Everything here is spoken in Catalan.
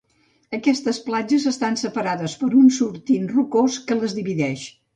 Aquestes platges estan separades per un sortint rocós que les divideix.